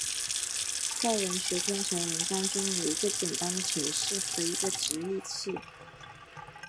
在文学编程文章中有一个简单的程式和一个直译器。